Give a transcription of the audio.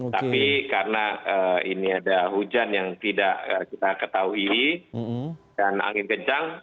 tapi karena ini ada hujan yang tidak kita ketahui dan angin kencang